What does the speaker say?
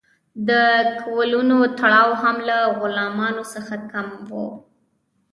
د کولونو تړاو هم له غلامانو څخه کم و.